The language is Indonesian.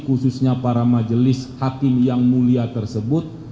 khususnya para majelis hakim yang mulia tersebut